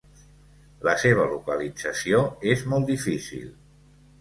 La seva localització és molt difícil.